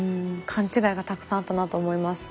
勘違いがたくさんあったなと思います。